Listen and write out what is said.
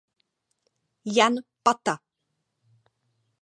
Jan Pata.